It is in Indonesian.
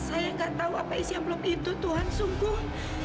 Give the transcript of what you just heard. saya nggak tahu apa isi ampul itu tuhan sungguh